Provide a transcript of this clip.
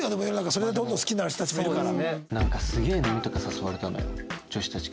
それでどんどん好きになる人たちもいるから。